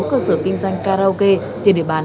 cơ sở kinh doanh karaoke trên địa bàn